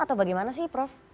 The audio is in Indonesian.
atau bagaimana sih prof